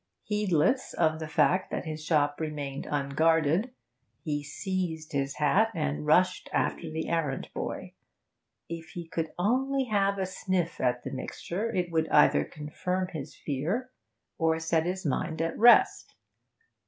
Heedless of the fact that his shop remained unguarded, he seized his hat and rushed after the errand boy. If he could only have a sniff at the mixture it would either confirm his fear or set his mind at rest.